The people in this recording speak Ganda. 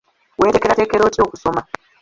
Weeteekerateekera otya okusoma?